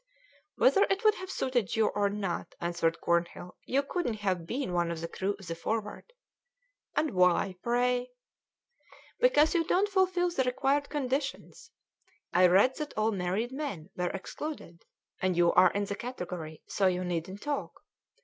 "Whether it would have suited you or not," answered Cornhill, "you couldn't have been one of the crew of the Forward." "And why, pray?" "Because you don't fulfil the required conditions. I read that all married men were excluded, and you are in the category, so you needn't talk.